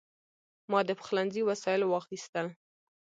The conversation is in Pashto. ما د پخلنځي وسایل واخیستل.